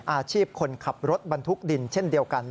อาชีพคนขับรถบรรทุกดินเช่นเดียวกัน